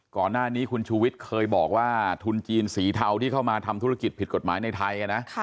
ก่อนหน้านี้คุณชูวิทย์เคยบอกว่าทุนจีนสีเทาที่เข้ามาทำธุรกิจผิดกฎหมายในไทยนะ